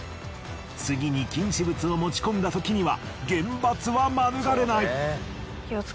次に禁止物を持ち込んだときには厳罰は免れない。